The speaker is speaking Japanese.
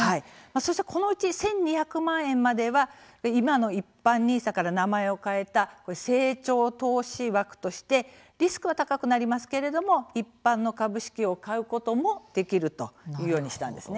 そして、このうち１２００万円までは今の一般ＮＩＳＡから名前を変えた「成長投資枠」としてリスクは高くなりますけれども一般の株式を買うこともできるというようにしたんですね。